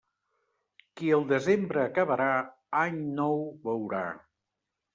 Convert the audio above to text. Qui el desembre acabarà, any nou veurà.